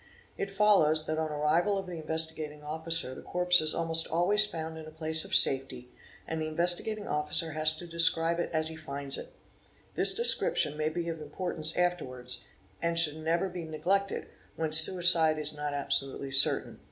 . It follows that on the arrival of the Investigating _ Officer the corpse is almost always found in a place of safety, and the Investigating Officer has to describe it as he finds it. This description » may be of importance afterwards, and should never be neglected, when suicide is not absolutely certain.